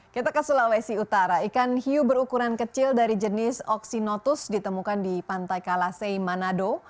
kita ke sulawesi utara ikan hiu berukuran kecil dari jenis oksinotus ditemukan di pantai kalasei manado